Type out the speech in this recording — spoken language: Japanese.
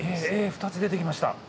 ２つ出てきました。